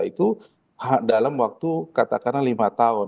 itu dalam waktu katakanlah lima tahun